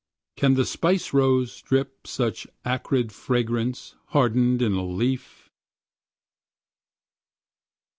Can the spice rose drip such acrid fragrance hardened in a leaf?